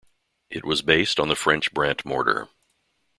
It was based on the French Brandt mortar.